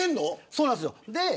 そうなんですよ。